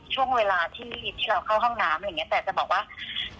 ช่วงเวลาที่เราเข้าห้องน้ำอะไรอย่างนี้